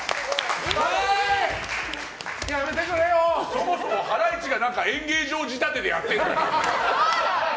そもそもハライチが演芸場仕立てでやってんだよ。